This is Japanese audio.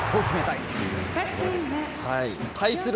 対する